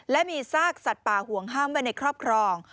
และมีซากสัตว์ป่าห่วงห้ามไว้ในครอบครอง